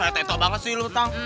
tentok banget sih lu tang